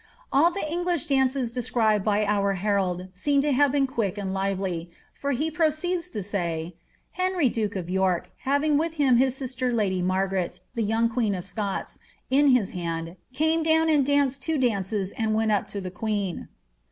All the English dances described by our herald seem to hate been quick and lively, for he proceeds to say, ^ Henry duke of Tork, having with him his sister lady Margaret, the young queen of ScofeB, in his hand, came down and danced two dances and went up to 'he queen.